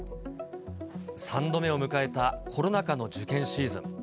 ３度目を迎えたコロナ禍の受験シーズン。